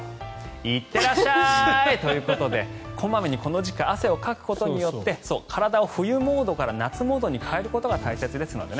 行ってらっしゃい！ということで小まめにこの時期は汗をかくことで体を冬モードから夏モードに変えることが大切ですので。